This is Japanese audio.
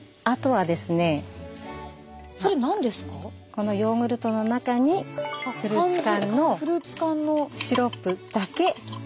このヨーグルトの中にフルーツ缶のシロップだけ。